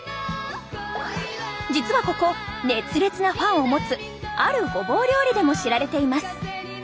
実はここ熱烈なファンを持つあるごぼう料理でも知られています！